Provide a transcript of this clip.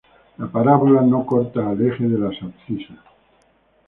La parábola no corta al eje de las abscisas.